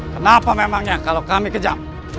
kenapa memangnya kalau kami kejam